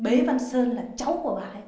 bên cạnh bé văn sơn là cháu của bà ấy